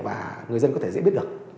và người dân có thể dễ biết được